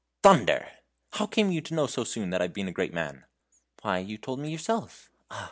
"Thunder! How came you to know so soon that I've been a great man?" "Why, you told me yourself. Ah!